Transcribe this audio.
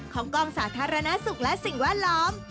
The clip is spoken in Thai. ของกองสาธารณสุขและสิ่งแวดล้อม